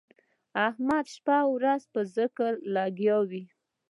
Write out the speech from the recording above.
احمد شپه او ورځ په ذکر لګیا وي.